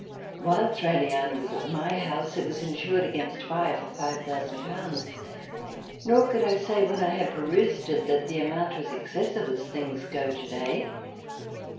While Thraliana was at my house it was insured against fire for £s^^^^ "^^ could I say when I had perused it that the amount was excessive as things go to day.